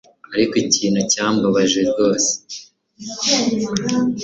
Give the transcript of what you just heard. Ariko ikintu cyambabaje rwose